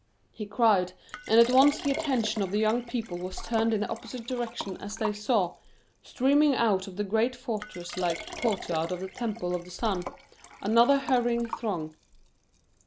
he cried; and at once the attention of the young people was turned in the opposite direction as they saw, streaming out of the great fortress like court yard of the Temple of the Sun, another hurrying throng.